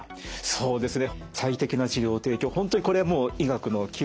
そうですね。